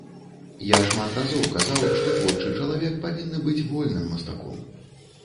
Я шмат разоў казаў, што творчы чалавек павінны быць вольным мастаком.